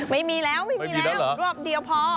ไม่มีแล้วรอบเดียวพอ